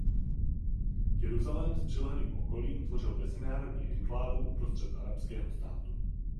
Jeruzalém s přilehlým okolím tvořil mezinárodní enklávu uprostřed arabského státu.